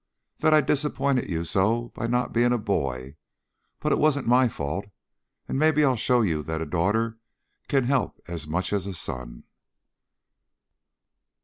" that I disappointed you so by not being a boy. But it wasn't my fault, and maybe I'll show you that a daughter can help as much as a son."